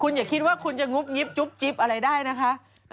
คุณอย่าคิดว่าคุณจะงุภกิบจุ๊บจิ๊บอะไรไว้ด้า